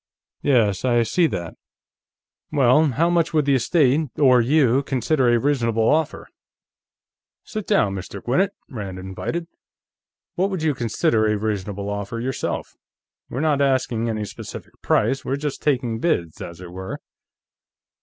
"Yes, I see that. Well, how much would the estate, or you, consider a reasonable offer?" "Sit down, Mr. Gwinnett," Rand invited. "What would you consider a reasonable offer, yourself? We're not asking any specific price; we're just taking bids, as it were."